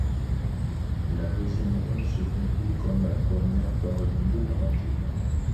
La deuxième ronde se conclut comme la première par une nulle rapide.